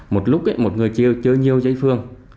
một lúc một người chơi nhiều chơi phường